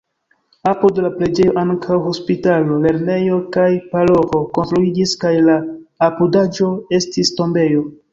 Apud la preĝejo ankaŭ hospitalo, lernejo kaj paroĥo konstruiĝis kaj la apudaĵo estis tombejo.